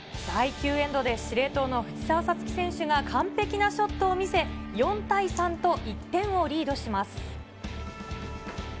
第９エンドで司令塔の藤澤五月選手が完璧なショットを見せ、４対３と１点をリードします。